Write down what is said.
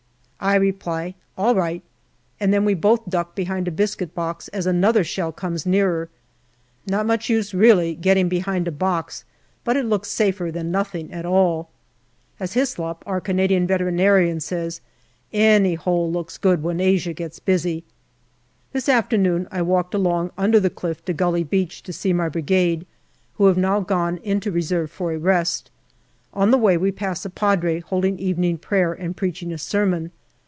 I reply, " All right," and then we both duck behind a biscuit box as another shell comes nearer. Not much use really getting behind a box, but it looks safer than nothing at all. As Hyslop, our Canadian Vet., said, " Any hole looks good when Asia gets busy." This afternoon I walked along under the cliff to Gully Beach to see my Brigade, who have now gone into reserve for a rest. On the way we pass a Padre holding evening prayer and preaching a sermon.